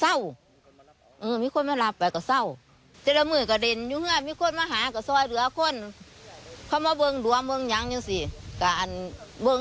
ถ้ามากลางกายบนกลางกายฉ่อง